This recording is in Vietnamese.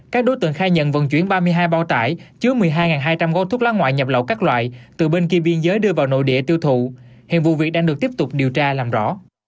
các đối tượng khai nhận vận chuyển ba mươi hai bao tải chứa một mươi hai hai trăm linh gói thuốc lá ngoại nhập lậu các loại từ bên kia biên giới đưa vào nội địa tiêu thụ hiện vụ việc đang được tiếp tục điều tra làm rõ